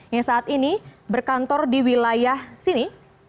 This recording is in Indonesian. yang saat ini berkantor di wilayah sini